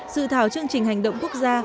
dự thảo chương trình hành động quốc gia